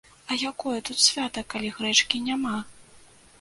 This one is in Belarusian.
А якое тут свята, калі грэчкі няма?